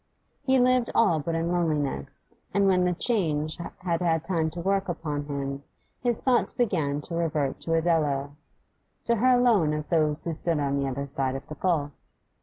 He lived all but in loneliness, and when the change had had time to work upon him his thoughts began to revert to Adela, to her alone of those who stood on the other side of the gulf.